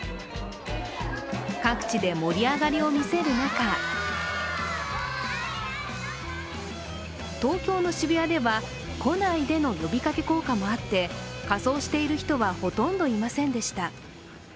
各地で盛り上がりを見せる中東京の渋谷では、「来ないで」の呼びかけ効果もあって、仮装している人はほとんどいませんでした。